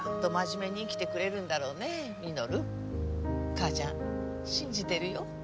母ちゃん信じてるよ。